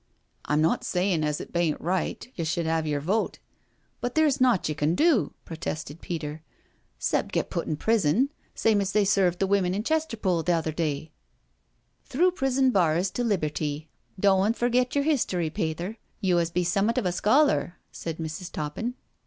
" I'm not sayin' as it baint right you shud 'ave your 6o NO SURRENDER vote, but theer's nought ye can do/' protested Peter, " 'cept get put in prison, same as they served the women in Chesterpool th' other day/* " Through prison bars to liberty doan't forget your history, Pether, you as be summat of a scholar/' said Mrs. Toppin.